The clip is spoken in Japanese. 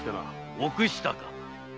憶したか。